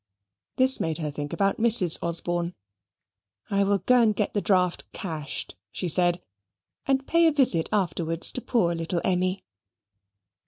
This made her think about Mrs. Osborne. "I will go and get the draft cashed," she said, "and pay a visit afterwards to poor little Emmy."